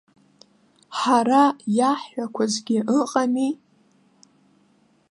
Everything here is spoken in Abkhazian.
Ҳара иааҳхәақәазгьы ыҟами.